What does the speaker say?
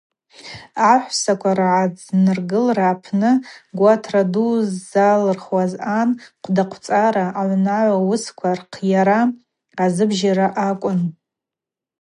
Ахӏвссаква ргӏадзныргылра апны гватра ду ззалырхуаз ан хъвдаквцӏараква, аунагӏва уысква рырхъйара азыбжьара акӏвын.